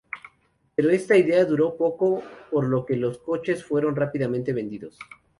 Pero esta idea duró poco por lo que los coches fueron rápidamente vendidos.